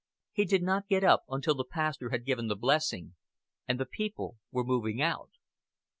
He did not get up until the pastor had given the blessing and the people were moving out.